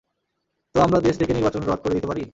তো আমরা দেশ থেকে নির্বাচন রদ করে দিতে পারি?